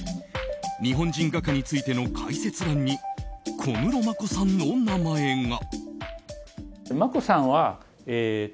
日本人画家についての解説欄に小室眞子さんの名前が。